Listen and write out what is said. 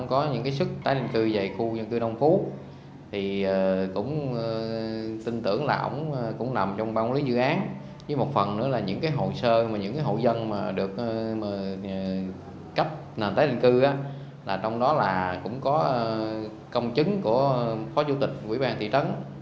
các hộ dân được cấp nền tái định cư trong đó cũng có công chứng của phó chủ tịch quỹ bàn thị trấn